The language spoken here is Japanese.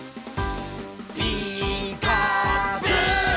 「ピーカーブ！」